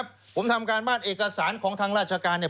ผมทำการบ้านเอกสารของทางราชการเนี่ย